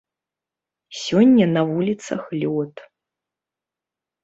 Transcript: Сёння на вуліцах лёд.